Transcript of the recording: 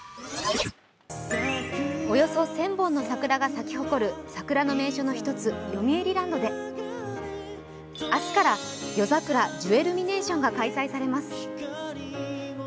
およそ１０００本の桜が咲き誇る桜の名所、よみうりランドで明日から夜桜ジュエルミネーションが開催されます。